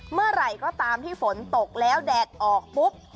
เมื่อไหร่ก็ตามที่ฝนตกแล้วแดดออกปุ๊บ